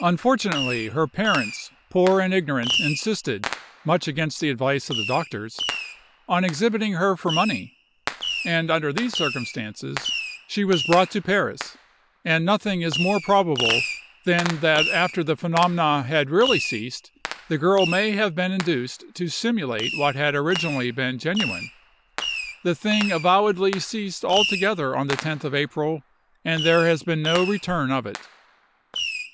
Unfortunately, her parents, poor and ignorant, insisted much against the advice of the doctors, on exhibiting her for money; and under these circumstances, she was brought to Paris; and nothing is more probable than that after the phenomena had really ceased, the girl may have been induced to simulate what had originally been genuine. The thing avowedly ceased altogether on the 10th of April, and there has been no return of it.